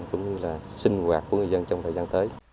cũng như là sinh hoạt của người dân